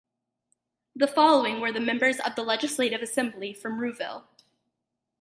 The following were the members of the Legislative Assembly from Rouville.